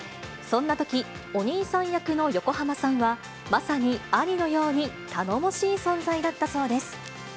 そんなとき、お兄さん役の横浜さんは、まさに兄のように頼もしい存在だったそうです。